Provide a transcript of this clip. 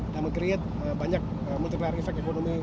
dan meng create banyak multi layer efek ekonomi